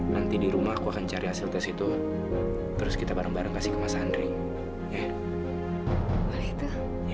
nanti di rumah aku akan cari hasil tes itu terus kita bareng bareng kasih kemasan ring ya itu